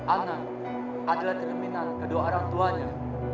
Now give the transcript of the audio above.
anak adalah cerminan kedua orang tuanya